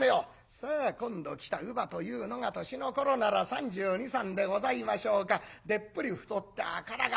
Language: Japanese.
さあ今度来た乳母というのが年の頃なら３２３３でございましょうかでっぷり太った赤ら顔。